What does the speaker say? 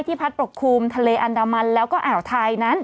พัดปกคลุมทะเลอันดามันแล้วก็อ่าวไทยนั้น